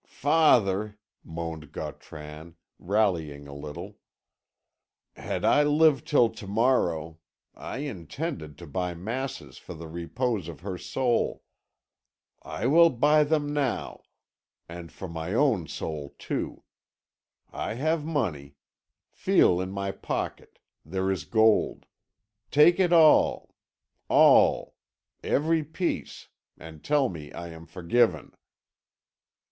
"Father," moaned Gautran, rallying a little, "had I lived till to morrow, I intended to buy masses for the repose of her soul. I will buy them now, and for my own soul too. I have money. Feel in my pocket; there is gold. Take it all all every piece and tell me I am forgiven."